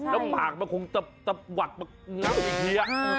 แล้วหมากมันคงตับหวัดน้ำอีกเฮีย